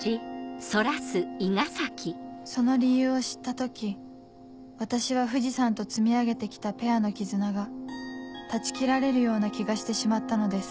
その理由を知った時私は藤さんと積み上げて来たペアの絆が断ち切られるような気がしてしまったのです